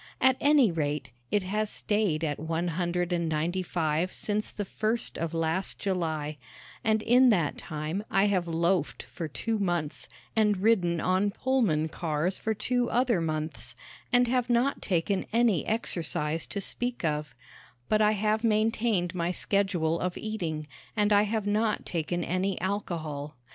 At any rate, it has stayed at a hundred and ninety five since the first of last July, and in that time I have loafed for two months and ridden on Pullman cars for two other months, and have not taken any exercise to speak of; but I have maintained my schedule of eating and I have not taken any alcohol.